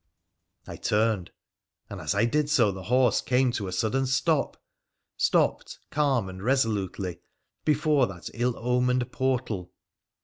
I turned, and as I did so the horse came to a sudden stop !— stopped calm and resolutely before that ill omened portal